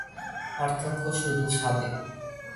পার্থক্য শুধু স্বাদে।